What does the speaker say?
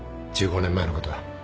１５年前のことは